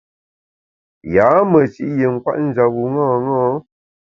Yâ meshi’ yin kwet njap bu ṅaṅâ.